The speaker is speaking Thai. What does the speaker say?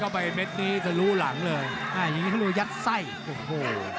โอ้โหยัดเข้าไปเม็ดนี้จะรู้หลังเลยอ่าอย่างนี้เขารู้ยัดไส้โอ้โห